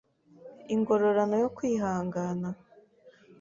Ingororano yo Kwihangana